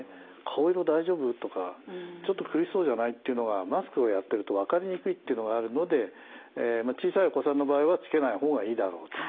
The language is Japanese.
顔色大丈夫？とかちょっと苦しそうじゃない？っていうのがマスクをやってるとわかりにくいっていうのがあるので小さいお子さんの場合はつけない方がいいだろうと。